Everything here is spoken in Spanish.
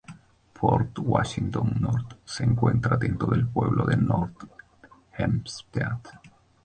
Port Washington North se encuentra dentro del pueblo de North Hempstead.